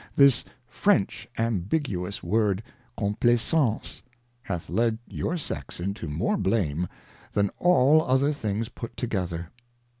This French ambiguous word Complaisance hath led your Sex into more blame, than all other things put together.